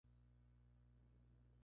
Con esto, la serie entró en producción.